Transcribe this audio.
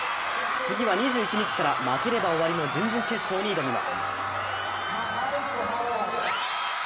次は２１日から負ければ終わりの準々決勝に挑みます。